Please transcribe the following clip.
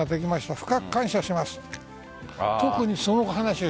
深く感謝します。